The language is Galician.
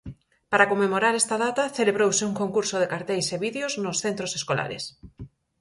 Para conmemorar esta data, celebrouse un concurso de carteis e vídeos no centros escolares.